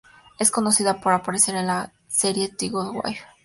Es conocida por aparecer en la serie "The Good Wife".